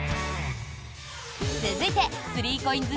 続いて３ＣＯＩＮＳ